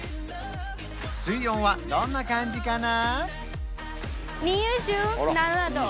水温はどんな感じかな？